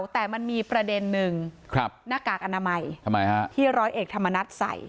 แต่มันมีประเด็นนึงหน้ากากอนามัยที่ร้อยเอกธรรมนัฐใส่